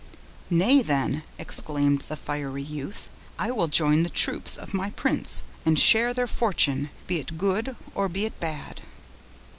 "Nay, then," exclaimed the fiery youth, "I will join the troops of my prince, and share their fortune, be it good or be it bad."